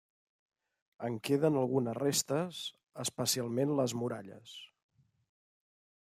En queden algunes restes especialment les muralles.